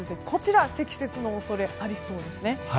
こちら積雪の恐れがありそうです。